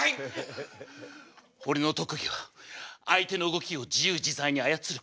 俺の特技は相手の動きを自由自在に操ること。